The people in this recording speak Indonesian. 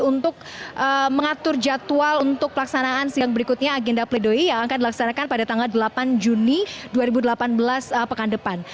untuk mengatur jadwal untuk pelaksanaan sidang berikutnya agenda pledoi yang akan dilaksanakan pada tanggal delapan juni dua ribu delapan belas pekan depan